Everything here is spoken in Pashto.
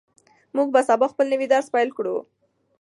موږ به سبا خپل نوی درس پیل کړو.